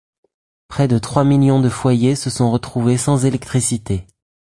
Près de trois millions de foyers se sont retrouvés sans électricité.